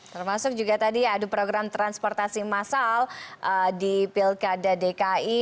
termasuk juga tadi adu program transportasi massal di pilkada dki